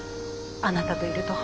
あなたといると。